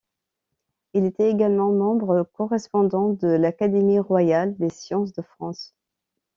Il était également membre correspondant de l'Académie royale des sciences de France.